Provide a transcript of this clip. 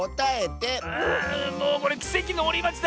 あもうこれきせきのおりまちだ。